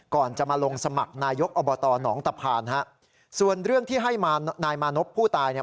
ก่อนจะมาลงสมัครนายกอบตหนองตะพานฮะส่วนเรื่องที่ให้มานายมานพผู้ตายเนี่ย